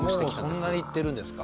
もうそんなに行ってるんですか。